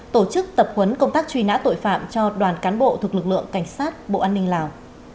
tổ chức tập huấn công tác truy nã tội phạm cho đoàn cán bộ thuộc lực lượng cảnh sát bộ an ninh lào